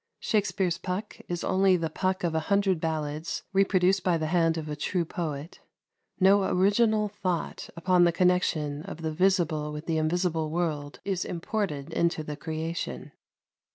Shakspere's Puck is only the Puck of a hundred ballads reproduced by the hand of a true poet; no original thought upon the connection of the visible with the invisible world is imported into the creation.